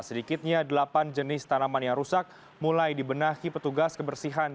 sedikitnya delapan jenis tanaman yang rusak mulai dibenahi petugas kebersihan